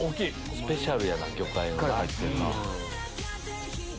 スペシャルやな魚介が入って。